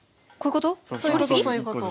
こういうこと？